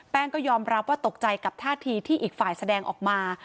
ก็ยอมรับว่าตกใจกับท่าทีที่อีกฝ่ายแสดงออกมา